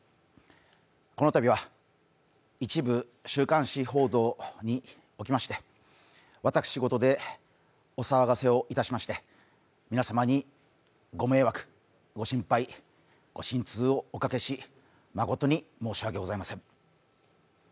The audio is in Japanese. このたびは一部週刊誌報道におきまして私事でお騒がせをいたしまして、皆様にご迷惑、ご心配、ご心痛をおかけし誠に申し訳ございません。